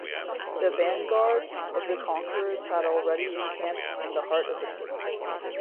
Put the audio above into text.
The vanguard of the conquerors had already encamped in the heart of Italy.